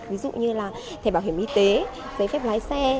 ví dụ như là thẻ bảo hiểm y tế giấy phép lái xe